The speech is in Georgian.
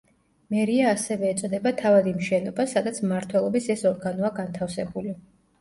მერია ასევე ეწოდება თავად იმ შენობას, სადაც მმართველობის ეს ორგანოა განთავსებული.